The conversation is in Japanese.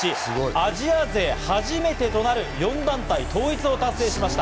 アジア勢初４団体統一を達成しました。